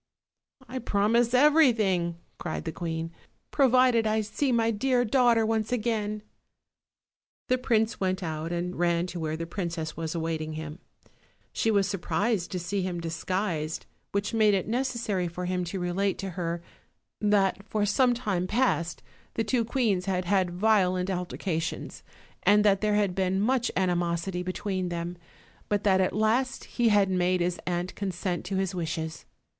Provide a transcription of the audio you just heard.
"I promise everything," cried the queen, "provided I see my dear daughter once again." The prince went out and ran to where the princess wag awaiting him. She was surprised to see him disguised, OLD, OLD FA'Htr TALES. which made it necessary for him to relate to her that foif some time past the two queens had had violent alterca tions, and that there had been much animosity between them; but that at last he had made his aunt consent to his wishes.